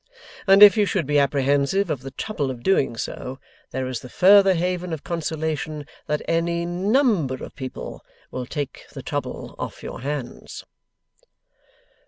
And if you should be apprehensive of the trouble of doing so, there is the further haven of consolation that any number of people will take the trouble off your hands.